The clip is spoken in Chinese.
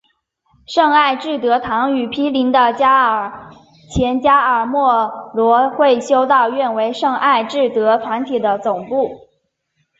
圣艾智德堂与毗邻的前加尔默罗会修道院为圣艾智德团体的总部。